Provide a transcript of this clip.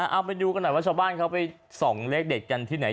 เอาไปดูกันหน่อยว่าชาวบ้านเขาไปส่องเลขเด็ดกันที่ไหน